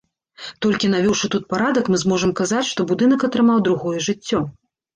Толькі навёўшы тут парадак, мы зможам казаць, што будынак атрымаў другое жыццё.